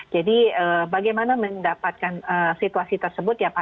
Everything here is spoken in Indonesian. jadi bagaimana mendapatkan situasi tersebut